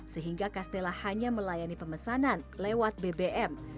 sehingga castella hanya melayani pemesanan lewat bbm